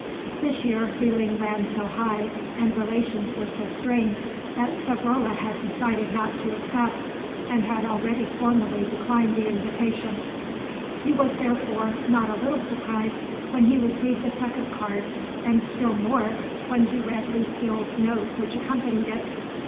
This year feeling ran so high and relations were so strained that Savrola had decided not to accept, and had already formally declined the invitation; he was therefore not a little surprised when he received a second card, and still more when he read Lucile's note which accompanied it.